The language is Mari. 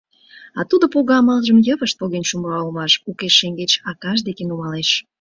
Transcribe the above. А тудо пого-амалжым йывышт поген чумыра улмаш, укеж шеҥгеч акаж деке нумалеш.